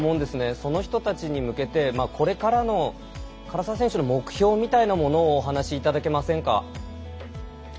その人たちに向けて、これからの唐澤選手の目標みたいなものをお話いただけませんか？